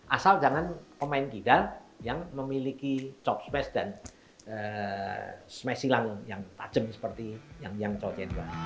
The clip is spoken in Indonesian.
asal jangan pemain gila yang memiliki chop smash dan smash silang yang tajam seperti yang cowok c dua